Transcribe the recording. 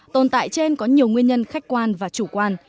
tồn tại trên có nhiều nguyên nhân khách quan và chủ quan